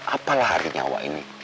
apalah harinya awak ini